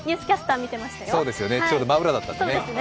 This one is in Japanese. ちょうど真裏だったんでね。